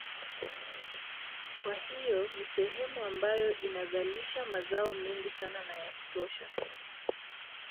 Kwa hiyo ni sehemu ambayo inazalisha mazao mengi sana na ya kutosha